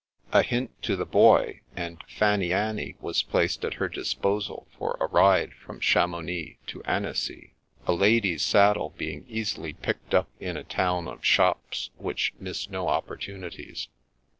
A hint to the Boy, and Fanny anny was placed at her disposal for a ride from Chamounix to Annecy, a lady's saddle being easily picked up in a town of shops which miss no opportunities.